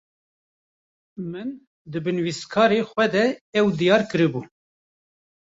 Min, di nivîsareke xwe de, ev diyar kiribû